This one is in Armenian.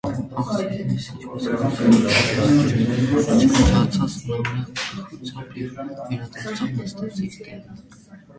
- Ախ, սիրելիս, ինչպես խելքդ կորցրել ես,- շջնջաց նա մեղմ տխրությամբ և վերադարձավ, նստեց իր տեղը: